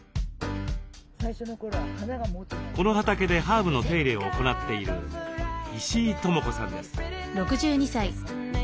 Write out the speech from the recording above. この畑でハーブの手入れを行っている石井智子さんです。